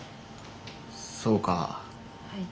そうか。